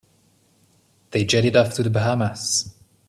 They jetted off to the Bahamas.